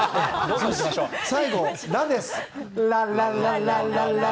最後、「ラ」です。